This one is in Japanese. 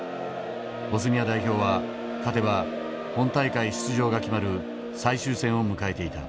ボスニア代表は勝てば本大会出場が決まる最終戦を迎えていた。